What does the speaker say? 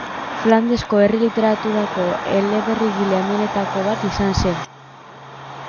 Flandesko herri-literaturako eleberrigile handienetako bat izan zen.